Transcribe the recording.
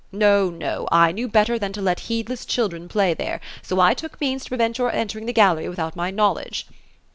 No, no ; I knew better than to let heedless children play there ; so I took means to pre vent your entering the gallery without my knowledge."